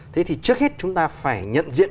thế thì trước hết chúng ta phải nhận diện